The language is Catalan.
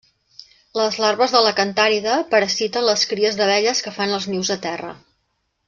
Les larves de la cantàrida parasiten les cries d'abelles que fan els nius a terra.